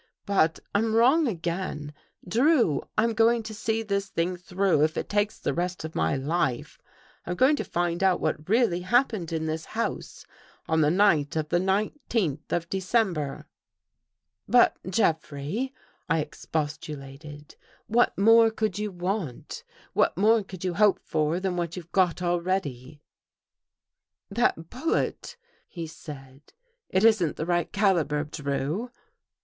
But I'm wrong again. Drew, I'm going to see this thing through, if it takes the rest of my life. I'm going to find out what really happened in this house on the night of the nineteenth of December." " But Jeffrey," I expostulated, " what more could you want? What more could you hope for than what you've got already? " 226 THE HOUSEBREAKERS " That bullet/' he said. " It isn't the right cali ber, Drew."